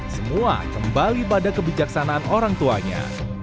semua kembali pada kebijaksanaan orang tuanya